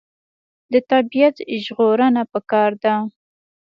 د طبیعت ژغورنه پکار ده.